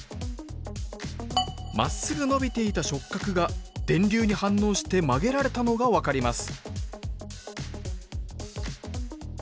まっすぐ伸びていた触覚が電流に反応して曲げられたのが分かります